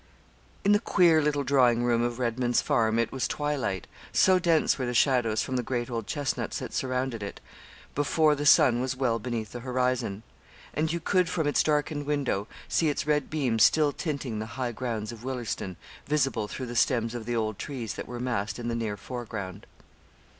In the queer little drawing room of Redman's Farm it was twilight, so dense were the shadows from the great old chestnuts that surrounded it, before the sun was well beneath the horizon; and you could, from its darkened window, see its red beams still tinting the high grounds of Willerston, visible through the stems of the old trees that were massed in the near foreground.